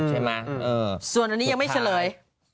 ใช่ไหมส่วนอันนี้ยังไม่เฉลย